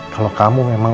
kalau kamu memang